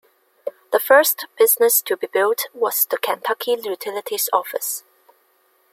The first business to be built was the Kentucky Utilities office.